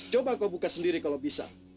coba kau buka sendiri kalau bisa